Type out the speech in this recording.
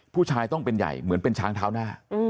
ผู้ชายต้องเป็นใหญ่เหมือนเป็นช้างเท้าหน้า